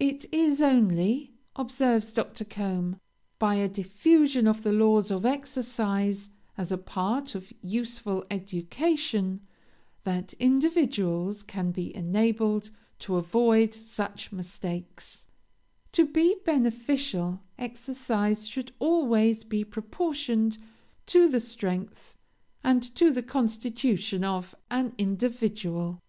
'It is only,' observes Dr. Combe, 'by a diffusion of the laws of exercise as a part of useful education, that individuals can be enabled to avoid such mistakes,' To be beneficial, exercise should always be proportioned to the strength and to the constitution of an individual.